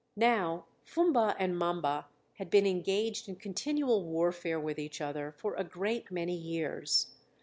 Now Fumba and Mamba had been engaged in continual warfare with each other for a great many years.